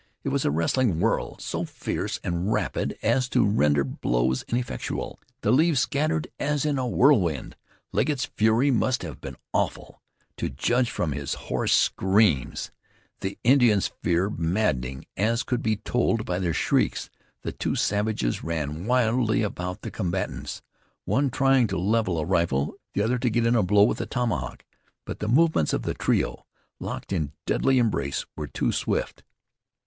It was a wrestling whirl, so fierce and rapid as to render blows ineffectual. The leaves scattered as if in a whirlwind. Legget's fury must have been awful, to judge from his hoarse screams; the Indians' fear maddening, as could be told by their shrieks. The two savages ran wildly about the combatants, one trying to level a rifle, the other to get in a blow with a tomahawk. But the movements of the trio, locked in deadly embrace, were too swift.